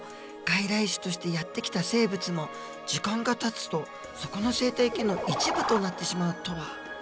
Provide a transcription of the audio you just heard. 外来種としてやって来た生物も時間がたつとそこの生態系の一部となってしまうとは。